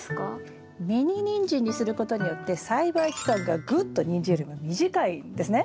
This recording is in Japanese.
ミニニンジンにすることによって栽培期間がぐっとニンジンよりも短いんですね。